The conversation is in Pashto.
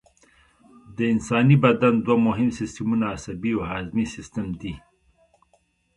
د انساني بدن دوه مهم سیستمونه عصبي او هضمي سیستم دي